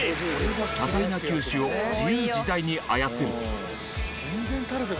多彩な球種を自由自在に操る。